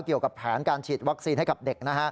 เกี่ยวกับแผนการฉีดวัคซีนให้กับเด็ก